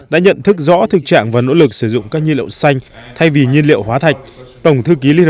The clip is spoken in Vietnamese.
đã nhận thức rõ thực trạng và nỗ lực sử dụng các nhiên liệu xanh thay vì nhiên liệu hóa thạch